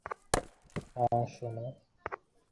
হ্যাঁ, সোনা।